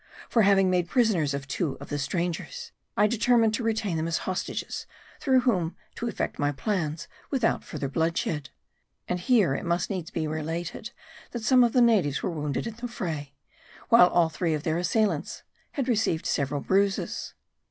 For having made prisoners two of the strangers, I deter M A R D I. 1G1 mined to retain them as hostages, through whom to effect my plans without further bloodshed. And here it must needs be related, that some of the natives were wounded in the fray : while all three of their assailants had received several bruises.